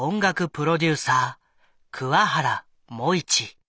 プロデューサー桑原茂一。